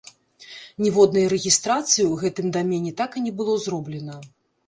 Ніводнай рэгістрацыі ў гэтым дамене так і не было зроблена.